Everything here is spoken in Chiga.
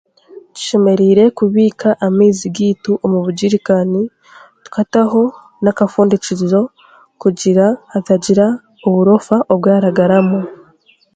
Tushemereire kubiika amaizi gaitu omu bugirikani tukataho n'akafundikizo kugira hatagira oburofa obwaragaramu